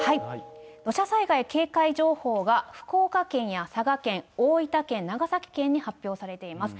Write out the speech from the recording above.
土砂災害警戒情報は、福岡県や佐賀県、大分県、長崎県に発表されています。